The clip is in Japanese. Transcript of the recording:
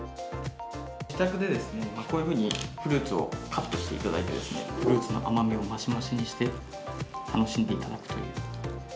自宅でこういうふうにフルーツをカットしていただいて、フルーツの甘みを増し増しにして、楽しんでいただくという。